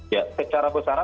ya secara besar